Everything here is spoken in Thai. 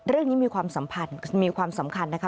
มีความสัมพันธ์มีความสำคัญนะคะ